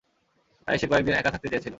তাই সে কয়েকদিন একা থাকতে চেয়েছিল।